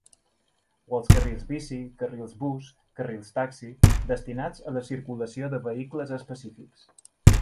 O els carrils bici, carrils bus, carrils taxi, destinats a la circulació de vehicles específics.